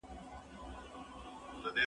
پوښتنه دا ده چې ارزښت یې څه دی؟